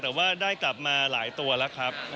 แต่ว่าได้กลับมาหลายตัวแล้วครับ